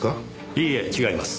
いいえ違います。